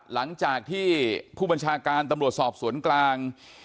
หลังจากที่ผู้บัญชาการตำรวจสอบสวนกลาง